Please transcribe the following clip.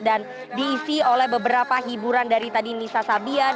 dan diisi oleh beberapa hiburan dari tadi nisa sabian